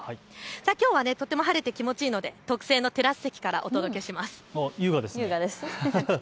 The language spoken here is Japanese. きょうはとても晴れて気持ちいいのでテラス席からお届けします。